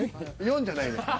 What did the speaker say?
４じゃないねん。